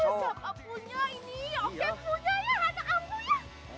siapa punya ini